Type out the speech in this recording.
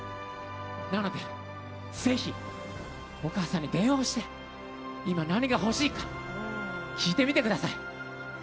なので、ぜひお母さんに電話をして今、何が欲しいか聞いてみてください。